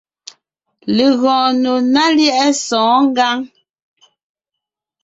Legɔɔn nò ná lyɛ̌ʼɛ sɔ̌ɔn ngǎŋ.